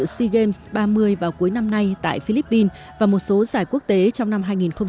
sea games ba mươi vào cuối năm nay tại philippines và một số giải quốc tế trong năm hai nghìn hai mươi